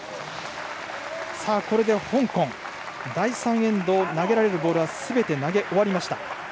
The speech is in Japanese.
これで香港第３エンド投げられるボールをすべて投げ終わりました。